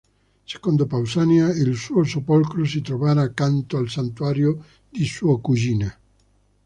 Secondo Pausania il suo sepolcro si trovava accanto al santuario di suo cugina.